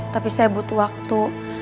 tapi saya butuh waktu